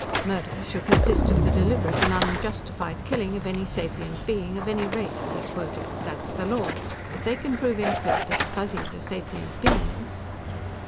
"'Murder shall consist of the deliberate and unjustified killing of any sapient being, of any race,'" he quoted. "That's the law. If they can prove in court that the Fuzzies are sapient beings...."